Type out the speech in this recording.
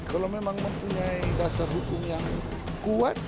kalau memang mempunyai dasar hukum yang kuat